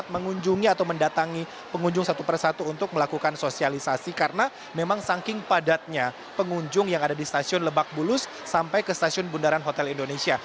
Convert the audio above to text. mungkin ada petugas security atau belakang dari stasiun lebak bulus sampai ke stasiun bundaran hotel indonesia